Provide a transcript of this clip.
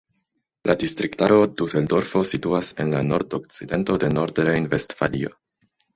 La distriktaro Duseldorfo situas en la nordokcidento de Nordrejn-Vestfalio.